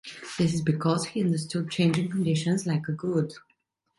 This is because he understood changing conditions like a good.